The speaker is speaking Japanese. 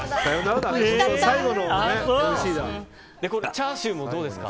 チャーシューもどうですか。